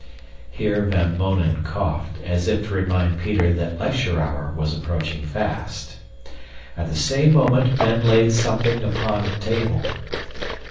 Here Van Mounen coughed, as if to remind Peter that lecture hour was approaching fast. At the same moment Ben laid something upon the table.